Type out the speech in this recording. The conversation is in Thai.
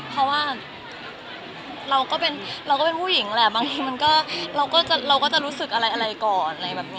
เพราะว่าเราก็เป็นผู้หญิงแหละบางทีเราก็จะรู้สึกอะไรก่อน